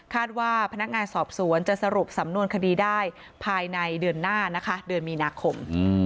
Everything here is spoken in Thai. ว่าพนักงานสอบสวนจะสรุปสำนวนคดีได้ภายในเดือนหน้านะคะเดือนมีนาคม